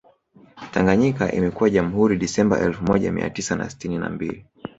Tanganyika imekuwa Jamhuri Disemba elfu moja Mia tisa na sitini na mbili